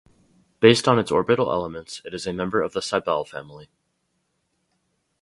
Based on its orbital elements, it is a member of the Cybele family.